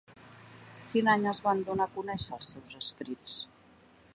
Quin any es van donar a conèixer els seus escrits?